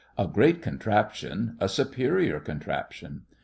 A great contraption—a superior contraption.